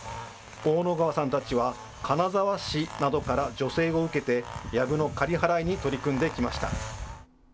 大野川さんたちは、金沢市などから助成を受けて、やぶの刈り払いに取り組んできました。